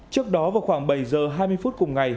trước đó vào khoảng bảy giờ hai mươi phút cùng ngày